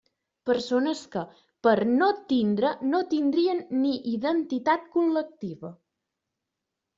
Persones que, per no tindre no tindrien ni identitat col·lectiva.